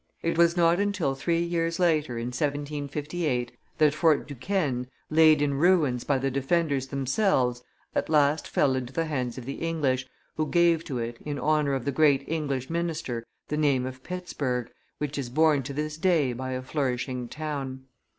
It was not until three years later, in 1758, that Fort Duquesne, laid in ruins by the defenders themselves, at last fell into the hands of the English, who gave to it, in honor of the great English minister, the name of Pittsburg, which is borne to this day by a flourishing town.